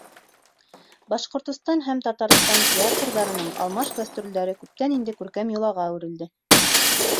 Башҡортостан һәм Татарстан театрҙарының алмаш гастролдәре күптән инде күркәм йолаға әүерелде.